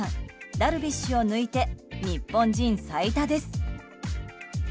ダルビッシュを抜いて日本人最多です。